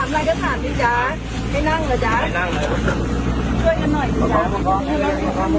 แม่ขอบคุณมากแม่ขอบคุณมากแม่ขอบคุณมากแม่ขอบคุณมาก